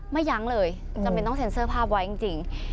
ยั้งเลยจำเป็นต้องเซ็นเซอร์ภาพไว้จริง